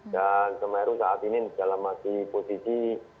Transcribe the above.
dan gunung meru saat ini dalam posisi